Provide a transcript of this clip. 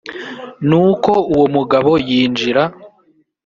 nuko uwo mugabo yinjira